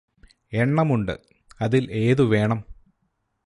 എണ്ണമുണ്ട് അതില് ഏതു വേണം